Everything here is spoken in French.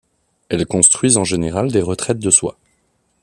Elles construisent en général des retraites de soie.